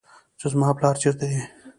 چې زما پلار چېرته دى.